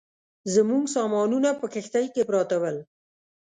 زموږ سامانونه په کښتۍ کې پراته ول.